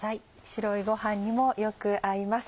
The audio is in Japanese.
白いご飯にもよく合います。